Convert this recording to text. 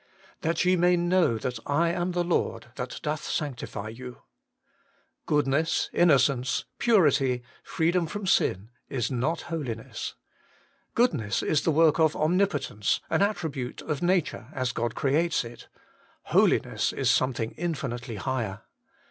' That ye may know that I am the Lord that doth sanctify you' Goodness, innocence, purity, freedom from sin, is not Holiness. Goodness is the work of omnipotence, an attribute of nature, as God creates it : holiness is something infinitely higher.